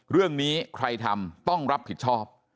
เรื่องนี้ใครทำต้องรับผิดชอบ